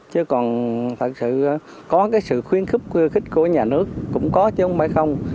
chứ còn thật sự có cái sự khuyến khích của nhà nước cũng có chứ không phải không